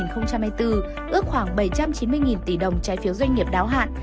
ước khoảng bảy trăm chín mươi tỷ đồng trái phiếu doanh nghiệp đáo hạn